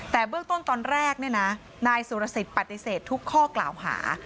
แต่เบื้องต้นตอนแรกเนี่ยนะนายสุรสิทธิ์ปฏิเสธทุกข้อกล่าวหา